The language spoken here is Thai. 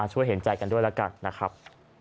ช่วยเห็นใจกันด้วยละกันนะครับ